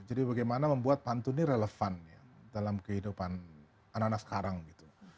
jadi bagaimana membuat pantun ini relevan dalam kehidupan anak anak sekarang gitu